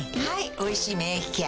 「おいしい免疫ケア」